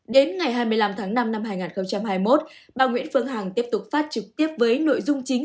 đến ngày hai mươi năm tháng năm năm hai nghìn hai mươi một bà nguyễn phương hằng tiếp tục phát trực tiếp với nội dung chính